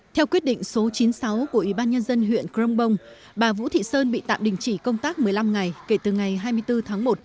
theo quyết định số chín mươi sáu của ubnd huyện crong bông bà vũ thị sơn bị tạm đình chỉ công tác một mươi năm ngày kể từ ngày hai mươi bốn tháng một